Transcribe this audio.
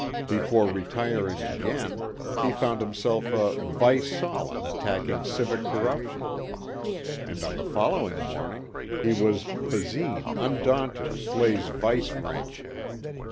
Before retiring again he found himself a "Vice Solon Attacking Civic Corruption." And on the following morning he was "Basine, Undaunted, Flays Vice Ring."